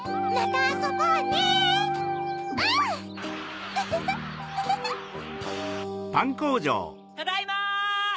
ただいま！